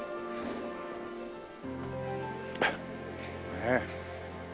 ねえ。